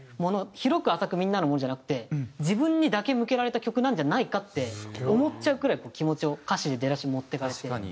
広く浅くみんなのものじゃなくて自分にだけ向けられた曲なんじゃないかって思っちゃうくらい気持ちを歌詞で出だし持っていかれて。